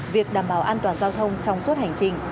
việc đảm bảo an toàn giao thông trong suốt hành trình